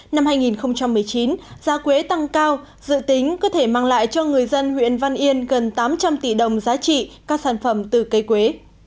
năm hai nghìn một mươi chín giá quế tăng cao dự tính có thể mang lại cho người dân huyện văn yên gần tám trăm linh tỷ đồng giá trị các sản phẩm từ cây quế